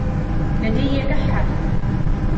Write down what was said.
لدي كحة.